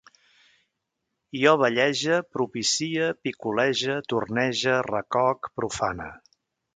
Jo vallege, propicie, picolege, tornege, recoc, profane